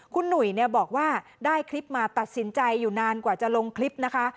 คุณหนุ่ยบอกว่าได้คลิปมาตัดสินใจอยู่นานกว่าจะลงคลิปนะคะ